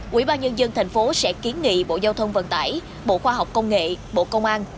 quỹ ba nhân dân tp hcm sẽ kiến nghị bộ giao thông vận tải bộ khoa học công nghệ bộ công an